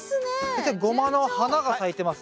先生ゴマの花が咲いてます。